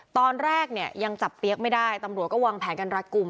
ตอนแรกเนี่ยยังจับเปี๊ยกไม่ได้ตำรวจก็วางแผนกันรักกลุ่ม